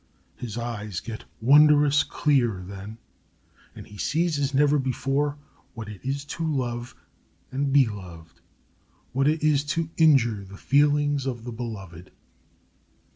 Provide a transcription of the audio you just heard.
His eyes get wondrous clear then, and he sees as never before what it is to love and be loved, what it is to injure the feelings of the beloved.